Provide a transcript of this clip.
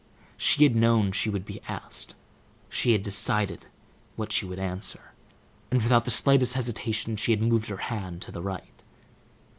She had known she would be asked, she had decided what she would answer, and, without the slightest hesitation, she had moved her hand to the right.